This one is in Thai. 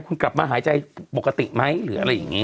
คุณกลับมาหายใจปกติไหมหรืออะไรอย่างนี้